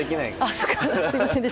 すみません。